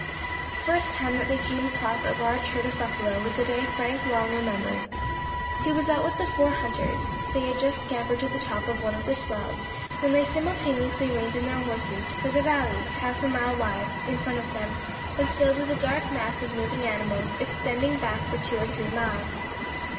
The first time that they came across a large herd of buffalo was a day Frank long remembered. He was out with the four hunters; they had just scampered to the top of one of the swells, when they simultaneously reined in their horses, for the valley half a mile wide in front of them was filled with a dark mass of moving animals, extending back for two or three miles.